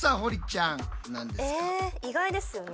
意外ですよね？